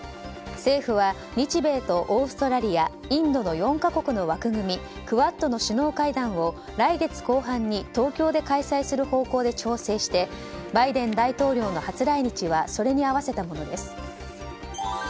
政府は、日米とオーストラリアインドの４か国の枠組みクアッドの首脳会談を来月後半に東京で開催する方向で調整してバイデン大統領の初来日はそれに合わせたものです。